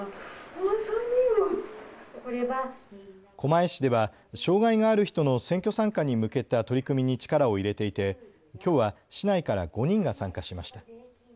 狛江市では障害がある人の選挙参加に向けた取り組みに力を入れていてきょうは市内から５人が参加しました。